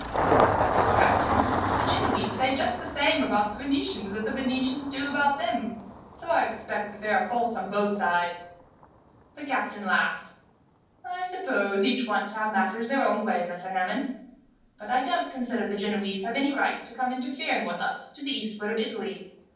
"You know, captain, that the Genoese say just the same things about the Venetians, that the Venetians do about them. So I expect that there are faults on both sides." The captain laughed. "I suppose each want to have matters their own way, Messer Hammond, but I don't consider the Genoese have any right to come interfering with us, to the eastward of Italy.